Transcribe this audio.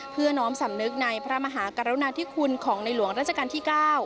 น้อมสำนึกในพระมหากรุณาธิคุณของในหลวงราชการที่๙